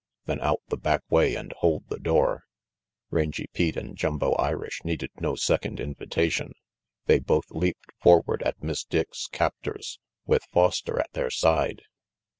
Then out the back way and hold the door." Rangy Pete and Jumbo Irish needed no second invitation. They both leaped forward at Miss Dick's captors, with Foster at their side.